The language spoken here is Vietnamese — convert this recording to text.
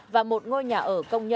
và một ngôi nhà ở công nhân